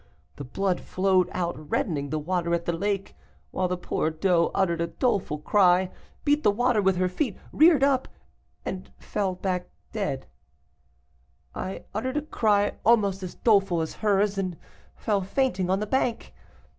The blood flowed out, reddening the water at the lake, while the poor doe uttered a doleful cry, beat the water with her feet, reared up, and then fell back dead. "I uttered a cry almost as doleful as hers, and fell fainting on the bank.